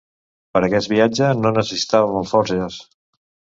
Per a aquest viatge no necessitàvem alforges.